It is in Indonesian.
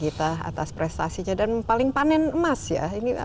kita atas prestasinya dan paling panen emas ya